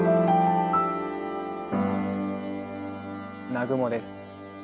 南雲です。